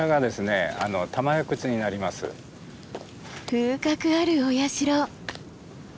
風格あるお社。